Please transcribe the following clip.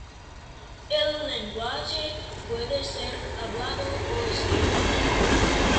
El lenguaje puede ser hablado o escrito.